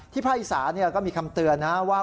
ที่พระอิสรรเนี่ยก็มีคำเตือนนะว่า